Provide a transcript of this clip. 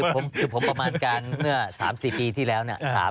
คือผมประมาณการณ์เมื่อ๓๔ปีที่แล้ว